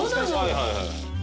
はいはいはいはい。